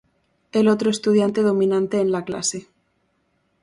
El otro estudiante dominante en la clase.